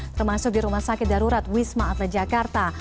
termasuk di rumah sakit darurat wisma atlet jakarta